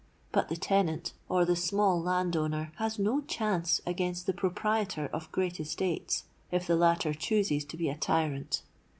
But the tenant or the small landowner has no chance against the proprietor of great estates, if the latter chooses to be a tyrant.